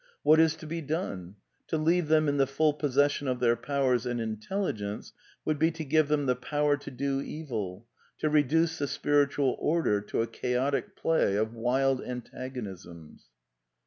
What is to be done? To leave them in the full possession of their powers and intelligence would be to irive them the power to do evil, to reduce the spiritual order to a chaotic play of wild antagonisms."